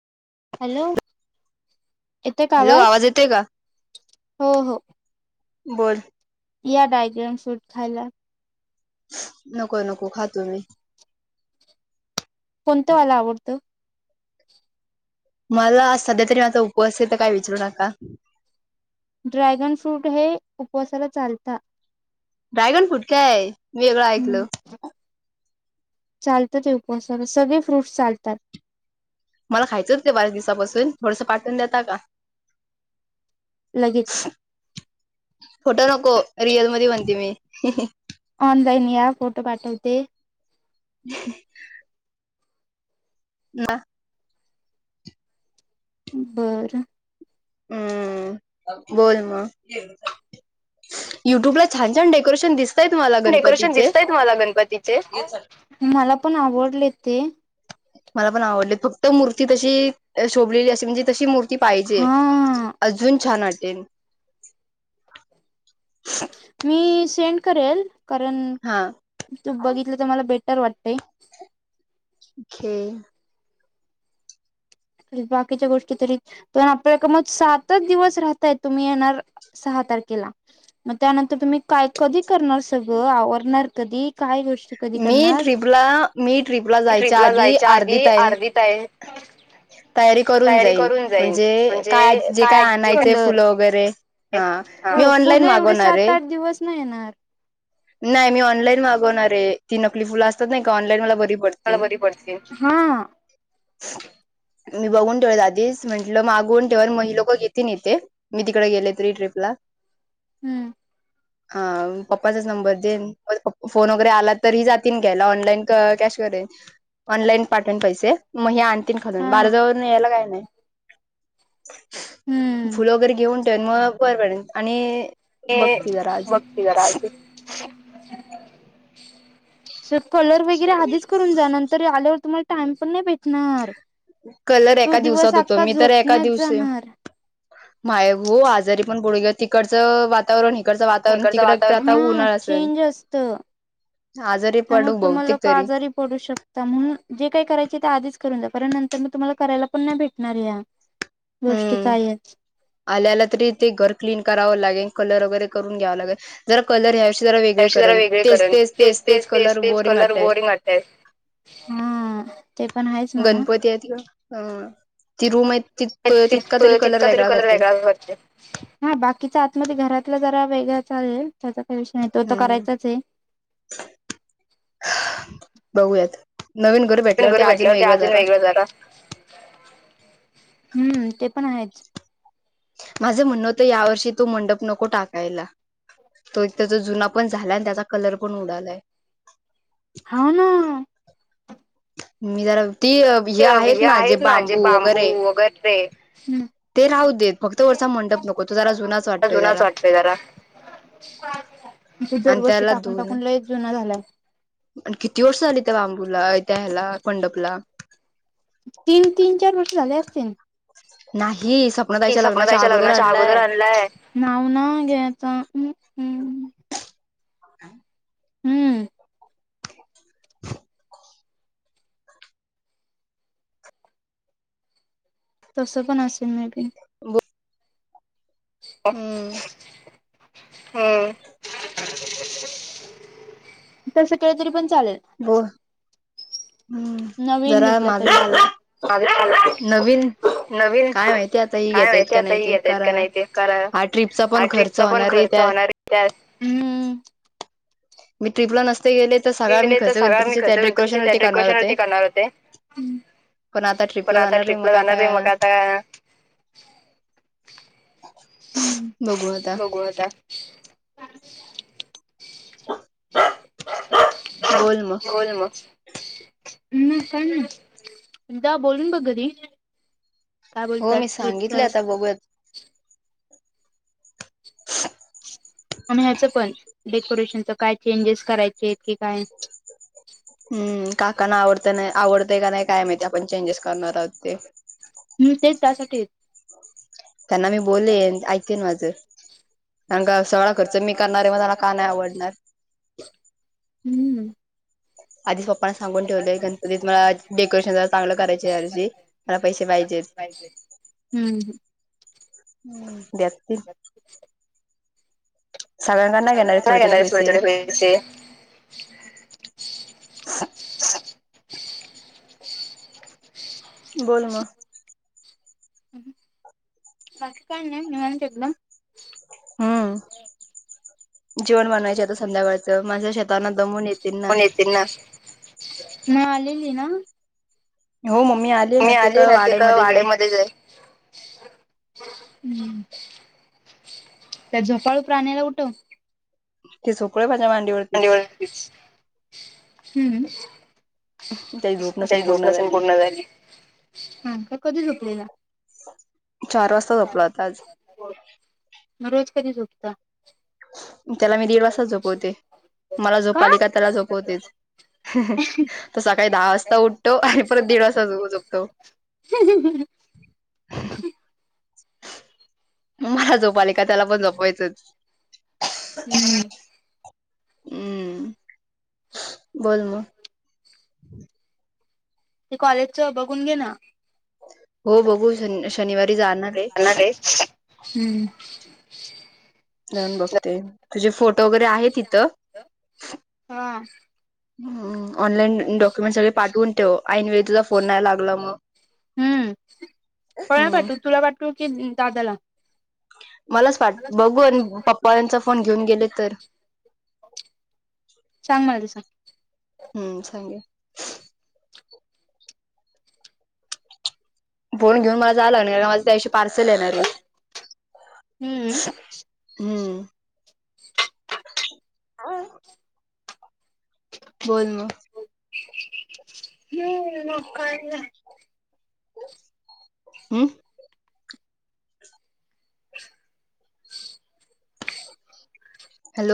Hello. येतोय का hello आवाज येतेय का? हो हो बोल. या ड्रॅगन फ्रूट खायला. नको नको खा तुम्ही. कोणतंवालं आवडतं? मला तरी माझा उपवास काय तर काय विचरू नका. ड्रॅगन फ्रूट हे उपवासाला चालता. ड्रॅगन फ्रूट काय? मी वेगळं ऐकलं. चालतात येवक स सगळे फ्रूट्स चालतात. मला खायचंच ते बऱ्याच दिवसापासून थोडंसं पाठवून देता का? लगेच. फोटो नको रिअल मध्ये म्हनते मी. ऑनलाईन या फोटो पाठवते. ह न बरं, हम बोल मग, युट्यूबला छान छान डेकोरेशन दिस. डेकोरेशन दिसतय मला गणपतीचे मला पण आवडले ते. मला पण आवडली फक्त मूर्ती तशी शोभलेली अशी म्हणजे तशी मूर्ती, ती पाहिजे हा अजून छान वाटेल. मी सेंड करेल कारण हा तू बघितलं तर मला बेटर वाटतय. घे बाकीच्या गोष्टी तरी पण आपल्या क मज सातच दिवस राहताय तुम्ही येणार. सहा तारखेला, मग त्यानंतर तुम्ही काय कधी करणार सगळं आवरणार कधी काय गोष्ट, कधी मी करणार ट्रिपला मी ट्रिपला आधी जायच्या अर्धी आधी ताई अर्धीत तया तयारी करून जाईन म्हणजे काय जे आणायचंय कलर, फुलं वगैरे हा मी हो ऑनलाईन फुलं एवढे मागवणार सात आहे आठ दिवस नाही येणार. नाही मी ऑनलाईन मागवणार आहे ती नकली फुलं असतात नाही का ऑनलाईन मला बरी पड, मला, बरी पडती हा मी बघून ठेव आधीच म्हंटलं मागून ठेवा मग हि लोकं घेतील इथे. मी तिकडे गेले तरी ट्रीपला. हम्म, हा पप्पाचा बर देन फोन वगैरे आला तर ह जातीलन घ्यायला ऑनलाईन कॅश करेन. ऑनलाईन पाठवेन पैसे मग हे आणतीन खालून हा बाराजून यायला काय नाही. हम्म. फुलं वगैरे घेऊन ठेवन मग बर पडेल आणि, ते बघते जरा अजून वक्ती कराच सर कलर वगैरे आधीच करून जा नंतर आल्यावर तुम्हाला टाइम पण नाही भेटणार. कलर तो एका दिवस दिवसात होतो अख्खा मी तर एका झोपण्यात दिवशी, जाणार. माय हो आजारी पण बडू घे तिकडचं वा, वातावरण इिकडचं वातावरण इकडचं तिकड आता तर वातावरण आता हा उन्हाळा असेल, चेंज असतं. आजारी त्यामुळे पडू तुम्हाला बहुतेक लोक तरी, आजारी पडू शकता म्हणून जे काही करायचे ते आधीच करून द्या परण नंतर मी तुम्हाला करायला पण नाही भेटणार या. गोष्टी हम्म कायच. आल्याला तरी ते घर क्लीन करावं लागेल कलर वगैरे करून घ्यावं लागेल. जरा कलर ह्याविषयी जरा वेगळे त्यापेक्षा जरा करेन वेगळे तेच करेन तेच तेच कलर तेच बोरिंग कलर वाटतय. वाटतय. हा ते. पण आहेच म्हणा. गणपती आहेत ह ति रुमै तित- तितका तरी कलर वेगळा वाटतंय. हा बाकीचा आतमध्ये घरातला जरा वेगळा चालेल. त्याचा काही विषय नाही. तो तर हम्म करायचाचय. बघूयात. नवीन घर भेट नवीन घर भेटल्यावर, ते अजून वेगळं जरा. हम्म, ते पण आहेच. माझं म्हणणं होतं. यावर्षी तो मंडप नको टाकायला. तो एक तेज जुना पण झालाय, न त्याचा कलर पण उडालाय. हा, ना. मी जरा, ती अ हे आहेत ना, जे बांबू वगैरे वगैरे. हम्. ते राहू देत फक्त वरचा [unintelligible] मंडप नको तो जरा जुनाच वाटतोय जरा जूनाच वाटतय जरा. [unintelligible] आणि दरवर्षी त्याला टाकून- धुन टाकून आणि लयच जुना झालाय. किती वर्ष झाली. त्या बांबूला, त्या ह्याला, मंडपला. तीन, तीन - चार वर्ष झाले असतील. नाही. हे [unintelligible] लग्नाच्या अगोदर आणलाय. नाव नाय घ्यायचं. अ अं. हम्म. तसं पण असेन. May be. बो हम्म हम्म. तसं केलं तरी पण चालेल. बो हम्म. नवीन जरा घेतला तरी माझं [inaudible] नवीन. नवीन. माहिती आता ही काय घेतायत माहिती का आता नाही हे ते येत्यात करा का नाही, ते करा. हा ट्रिपचा हा पण खर्च ट्रीपचा पण होणार आहे खर्च त्या होणारय. त्यात. हम्म. मी ट्रिपला नसते गेले त. सगळा मी गेले तर खर्च सगळा मी गणपतीच्या त्या खर्च गणपतीच्या डेकोरेशन त्या वरती करणार डेकोरेशन होते. वरती करणार होते. पण आता पण ट्रिपला जाणारय. मग जाणार आता आहे आता हम्म. बघू आता. बोल मग. हम्म, काही नाही. जा बोलून बघ घरी. हो, बोलतात मी सांगितलं. ट्रिपच आता बघूयात. आणि ह्याचं पण. डेकोरेशनच काय चेंजेस करायचेत, की काय? हम्म. काकांना आवडतय नाय, आवडतय का नाही, काय माहिती. आपण चेंजेस करणार आहोत ते. हम्, तेच त्यासाठीच. त्यांना मी बोलेन. ऐकेन हम्म माझं. [inaudible] सगळा खर्च मी करणारय. मग त्याला, का नाही आवडणार. हम्म. आधीच पप्पांना सांगून ठेवलंय. गणपतीत मला, डेकोरेशन जरा चांगलं करायचय ह्यावर्षी. मला पैसे पाहिजेत. हम्म. हं. हं. द्यातीलं. [inaudible] नाही घेणार सगळ्यांना, आहे थोडे थोडे सगळ्यांना पैसे स्वेटर [unintelligible] बोल म. बाकी कायं नाहीं निवांत एकदंम हां जेवण बनवायचे आंता संध्याकाळचं माझ्या श नाना दमूंन येतिन नां येती नां मंग आलेली नां हो मम्मी मी ना ते आली तर नां तसी कां वाड्यामध्येच आहे वाडेमध्यें जाईन हम्मं त्यां झोपाळूं प्राण्यांना उठवं ते झोपलंय माझ्या मांडीवरं मांडिवरं हम्मं त्याची झोप नसेन तेजी झोपसं पूर्ण झाली आंता तो कधीं झोपलेला चार वाजता झोपला होता आज. मंग रोज कधीं झोपतां त्यांला मी दीड वाजतं झोपवते मलां झोप का? आली कां त्यांला झोपवतेचं हं हं तो सकाळीं दहा वाजतां उठतो आणि परंत दीड वाजतां दोघं झोपतो हम्मं हम्मं हमं हम्मं मलां झोप आली कां त्यांला पणं झोपवायचंच हम्मं हम्मं बोलं मगं ते कॉलेजचं बघूंन घे नां हो बघूं शन शनिवारी जाणारं आहे. हम्मं जाऊंन बघते तुझें फोटो वगैरें आहे तिथं हा ऑनलाईन डॉक्युमेंट सगळें पाठवूंन ठेव ऐनवेळी तुझां फोन यायला लागंला मंग हम्म हम्मं तुं किली दादालां मलाचं वाटतं बघूंन पप्पां चां पणं घेऊंन गेले तरं सांग माझे सांग हम्मं सांगे फोन घेऊंन मलां जायंला लागणारं माझं त्यां दिवशी पार्सल येणारं आहे हम्म. हम्मं बोलं मगं हम्मं मंग कायं नां हम्मं हम्मं हॅलो